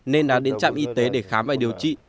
nên đã đến trạm y tế để khám và điều trị